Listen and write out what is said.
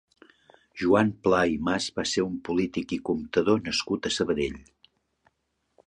Joan Pla i Mas va ser un polític i comptador nascut a Sabadell.